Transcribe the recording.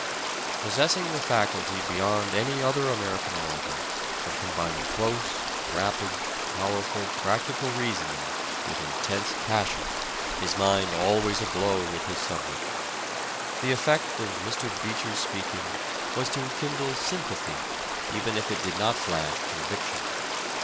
Possessing the faculty beyond any other American orator of combining close, rapid, powerful, practical reasoning with intense passion his mind always aglow with his subject the effect of Mr. Beecher's speaking was to kindle sympathy, even if it did not flash conviction.